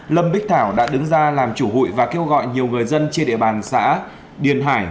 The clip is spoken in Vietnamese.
lâm bích thảo đã đứng ra làm chủ hụi và kêu gọi nhiều người dân trên địa bàn xã điền hải